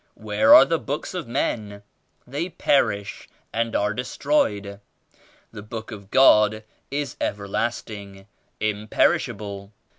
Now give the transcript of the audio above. Where are the books of men? They perish and are destroyed. The Book of God is everlasting, imperishable.